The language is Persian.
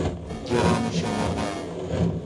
گرامی شمردن